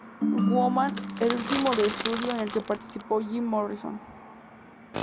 Woman", el último de estudio en el que participó Jim Morrison.